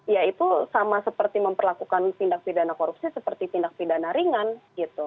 ya itu sama seperti memperlakukan tindak pidana korupsi seperti tindak pidana ringan gitu